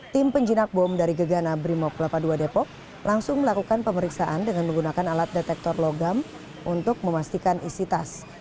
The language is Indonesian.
tim penjinak bom dari gegana brimob kelapa ii depok langsung melakukan pemeriksaan dengan menggunakan alat detektor logam untuk memastikan isi tas